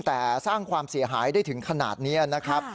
แต่สร้างความเสียหายได้ถึงขนาดนี้นะครับ